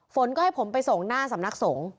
ฝนก็ให้ผมไปส่งหน้าสำนักสงฆ์